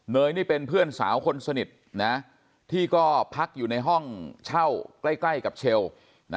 นี่เป็นเพื่อนสาวคนสนิทนะที่ก็พักอยู่ในห้องเช่าใกล้กับเชล